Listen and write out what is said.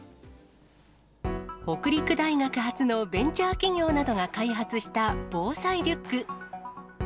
北陸大学発のベンチャー企業などが開発した防災リュック。